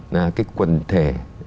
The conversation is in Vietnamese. là cái quần thể